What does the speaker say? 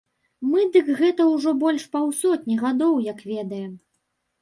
Мы дык гэта ўжо больш паўсотні гадоў як ведаем.